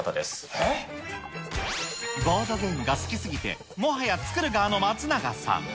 ボードゲームが好きすぎて、もはや作る側の松永さん。